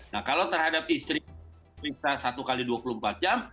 nah kalau terhadap istri periksa satu x dua puluh empat jam